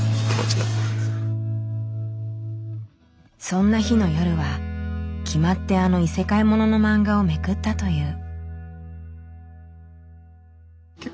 そんな日の夜は決まってあの異世界もののマンガをめくったという。